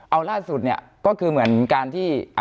เอาล่าสุดเนี่ยก็คือเหมือนการที่